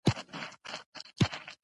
شېرمحمد بیا پوښتنه وکړه.